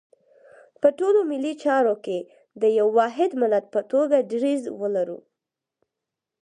په ټولو ملي چارو کې د یو واحد ملت په توګه دریځ ولرو.